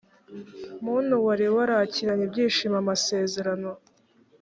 muntu wari warakiranye ibyishimo amasezerano